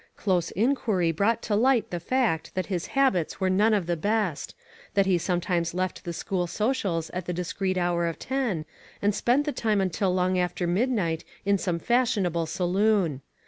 Close inquiry brought to light the fact that his habits were none of the best ; that he sometimes left the school socials at the dis creet hour of ten, and spent the time until long after midnight in some fashionable saloon.